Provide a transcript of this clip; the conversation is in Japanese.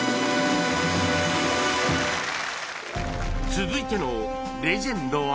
続いてのレジェンドは